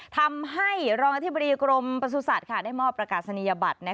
ทำให้รองอธิบดีกรมประสุทธิ์ได้มอบประกาศนียบัตร